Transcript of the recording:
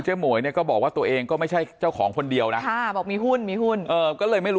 หมวยเนี่ยก็บอกว่าตัวเองก็ไม่ใช่เจ้าของคนเดียวนะค่ะบอกมีหุ้นมีหุ้นเออก็เลยไม่รู้